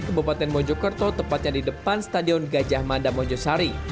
kebupaten mojokerto tepatnya di depan stadion gajah mada mojosari